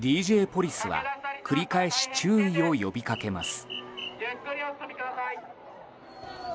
ＤＪポリスは繰り返し注意を呼びかけます。